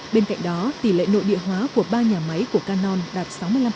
bên cạnh đó tỷ lệ nội địa hóa của ba nhà máy của canon đạt sáu mươi năm